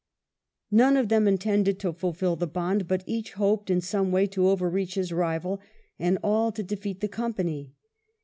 None of them intended to fulfil the bond, but each hoped in some way to overreach his rival, and all to defeat the Company.